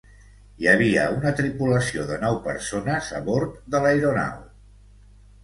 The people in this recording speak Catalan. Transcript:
Hi havia una tripulació de nou persones a bord de l'aeronau.